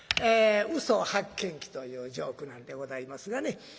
嘘発見器というジョークなんでございますがね。